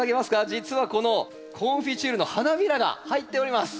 実はこのコンフィチュールの花びらが入っております。